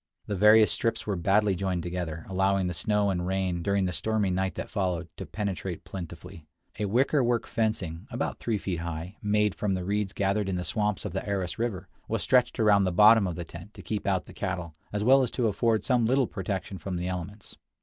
The various strips were badly joined together, allowing the snow and rain, during the stormy night that followed, to penetrate plentifully. A wickerwork fencing, about three feet high, made from the reeds gathered in the swamps of the Aras River, was stretched around the bottom of the tent to keep out the cattle as well as to afford some little protection from the elements.